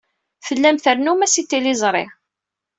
Tellam trennum-as i tliẓri.